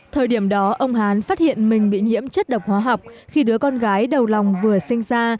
thời điểm đó ông hán phát hiện mình bị nhiễm chất độc hóa học khi đứa con gái đầu lòng vừa sinh ra